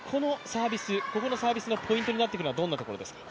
このサービス、ポイントになってくるのはどんなところですか？